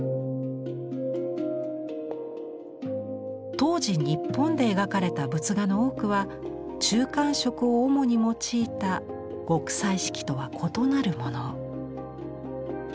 当時日本で描かれた仏画の多くは中間色を主に用いた極彩色とは異なるもの。